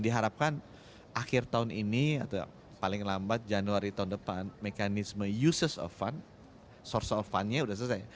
diharapkan akhir tahun ini atau paling lambat januari tahun depan mekanisme uses of fund source of fundnya sudah selesai